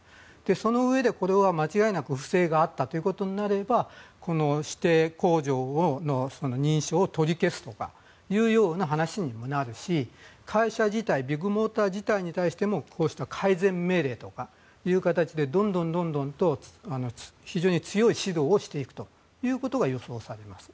そのうえで、これは間違いなく不正があったということになればこの指定工場の認証を取り消すとかいうような話になるし会社自体ビッグモーター自体に対してもこうした改善命令という形でどんどんと非常に強い指導をしていくことが予想されます。